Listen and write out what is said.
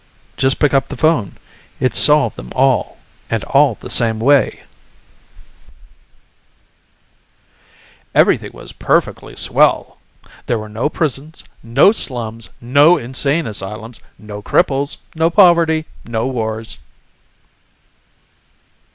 Just pick up the phone. It solved them all and all the same way! 2 B R 0 2 B by KURT VONNEGUT, JR. Everything was perfectly swell. There were no prisons, no slums, no insane asylums, no cripples, no poverty, no wars.